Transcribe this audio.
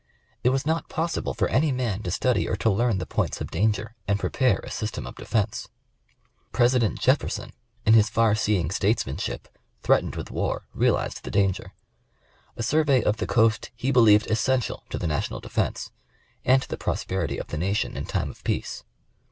It was not possible for any man to study or to learn the j^oints of danger, and prepare a system of defence. President Jefferson in his far seeing statesmanship, threatened with war, realized the danger. A survey of the coast he believed essential to the national defence, and to the prosperity of the nation in time of peace.